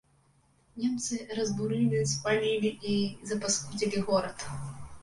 Немцы разбурылі, спалілі і запаскудзілі горад.